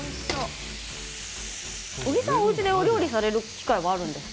小木さんは家で料理をする機会はあるんですか。